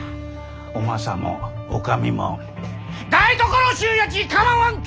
おマサも女将も台所衆やち構わんき！